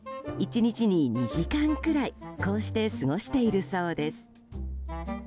１日に２時間くらいこうして過ごしているそうです。